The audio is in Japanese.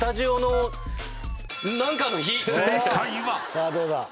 さあどうだ？